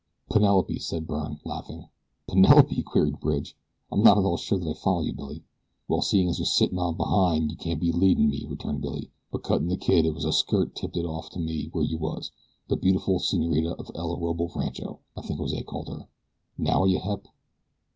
"Penelope," said Byrne, laughing. "Penelope!" queried Bridge. "I'm not at all sure that I follow you, Billy." "Well, seein' as you're sittin' on behind you can't be leadin' me," returned Billy; "but cuttin' the kid it was a skirt tipped it off to me where you was the beautiful senorita of El Orobo Rancho, I think Jose called her. Now are you hep?"